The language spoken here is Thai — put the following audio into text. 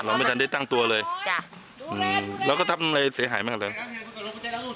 มองไม่ทันได้ตั้งตัวเลยจ้ะอืมแล้วก็ทำอะไรเสียหายไหมครับเธอ